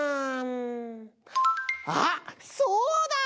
あっそうだ！